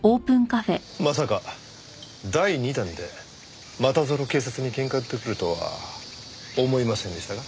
まさか第二弾でまたぞろ警察に喧嘩売ってくるとは思いませんでしたが。